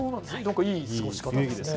いい過ごし方ですね。